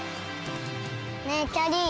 ねえきゃりー